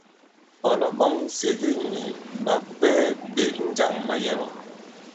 Ɔ̀ lɔ̀ɓɔ̂ŋ Nsège nì ɓàbwɛɛ ɓē njâŋ màyɛwa?